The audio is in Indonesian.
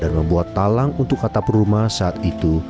dan membuat talang untuk atap rumah saat itu